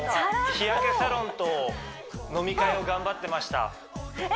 日焼けサロンと飲み会を頑張ってましたえ！